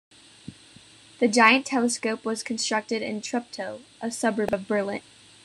The giant telescope was constructed in Treptow, a suburb of Berlin.